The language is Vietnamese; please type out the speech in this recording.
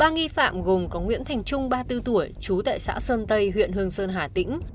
ba nghi phạm gồm có nguyễn thành trung ba mươi bốn tuổi chú tại xã sơn tây huyện hương sơn hà tĩnh